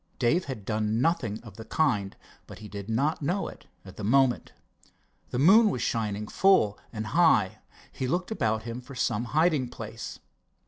Dave had done nothing of the kind, but he did not know it at the moment. The moon was shining full and high. He looked about him for some hiding place.